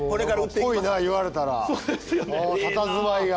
ぽいな言われたらたたずまいが。